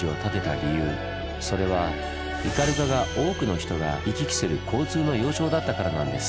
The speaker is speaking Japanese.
それは斑鳩が多くの人が行き来する交通の要衝だったからなんです。